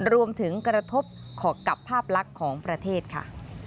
รวมถึงกระทบขอกับภาพลักษณ์ของประเทศค่ะ